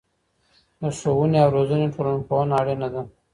د ښوونې او روزنې ټولنپوهنه اړينه ده.